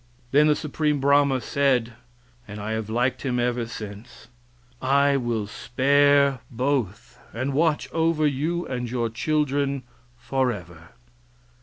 Then the Supreme Brahma said and I have liked him ever since "I will spare both, and watch over you and your children forever."